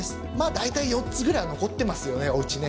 大体４つぐらいは残ってますよね、おうちね。